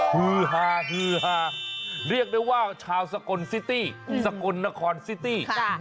ฮือฮาฮือฮาเรียกได้ว่าชาวสกลซิตี้สกลนครซิตี้